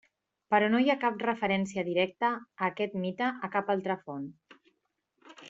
Però no hi ha cap referència directa a aquest mite en cap altra font.